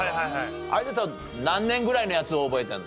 有田さん何年ぐらいのやつ覚えてるの？